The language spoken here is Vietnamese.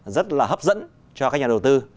rất là hấp dẫn cho các nhà đầu tư